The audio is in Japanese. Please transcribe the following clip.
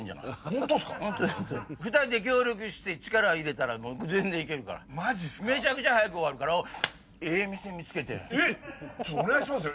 ホントにホントに２人で協力して力入れたら全然いけるからマジすかメチャクチャ早く終わるからええ店見つけてんえっちょお願いしますよ